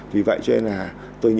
vì vậy cho nên là tôi nghĩ